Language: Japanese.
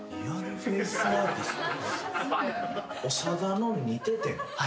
長田の似て展？